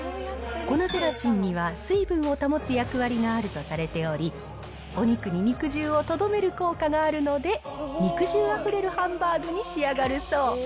粉ゼラチンには、水分を保つ役割があるとされており、お肉に肉汁をとどめる効果があるので、肉汁あふれるハンバーグに仕上がるそう。